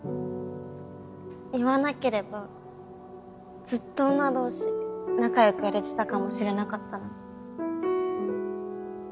言わなければずっと女同士仲良くやれてたかもしれなかったのに。